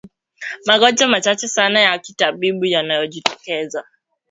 Magonjwa machache sana ya kitabibu yanayojitokeza